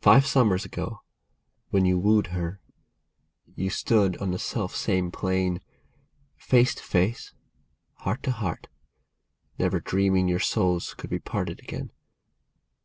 Five summers ago, when you wooed her, you stood on the self same plane, Face to face, heart to heart, never dreaming your souls could be parted again.